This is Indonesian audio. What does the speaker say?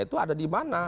itu ada di mana